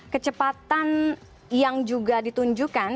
kecepatan yang juga ditunjukkan